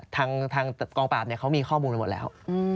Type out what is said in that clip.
ทางกองปราบเขามีข้อมูลไปหมดแล้ว